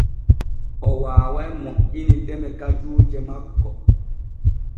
O waaway moƴƴini deme kajuuje makko.